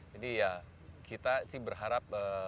jadi kita sih berharap